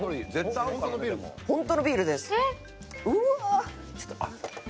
本当のビールです。